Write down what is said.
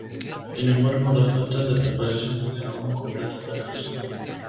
Sin embargo, la falta de preparación generó un completo fracaso.